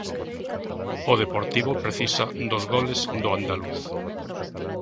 O Deportivo precisa dos goles do andaluz.